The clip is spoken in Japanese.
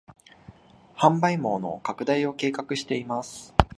販売網の拡大を計画しています